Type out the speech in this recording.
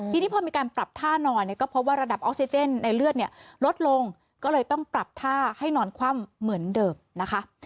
ทีนี้พอมีการปรับท่านอนเนี่ยก็พบว่าระดับออกซิเจนในเลือดเนี่ยลดลงก็เลยต้องปรับท่าให้นอนคว่ำเหมือนเดิมนะคะ